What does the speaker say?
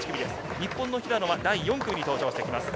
日本の平野は第４組に登場してきます。